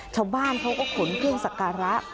ชาวบ้านเขาก็ขนเครื่องสักการะ